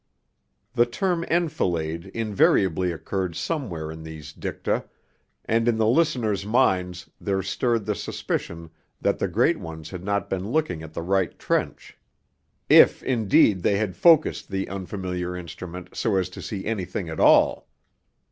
The term 'enfilade' invariably occurred somewhere in these dicta, and in the listeners' minds there stirred the suspicion that the Great Ones had not been looking at the right trench; if indeed they had focused the unfamiliar instrument so as to see anything at all.